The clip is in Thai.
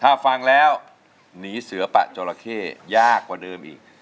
ถ้าฟังแล้วหนีเสือปะจราเข้ยากกว่าเดิมอีก